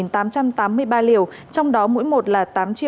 trong đó mỗi một là tám chín mươi bảy tám trăm năm mươi